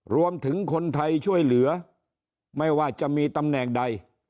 รวมถึงคนไทยช่วยเหลือไม่ว่าจะมีตำแหน่งใด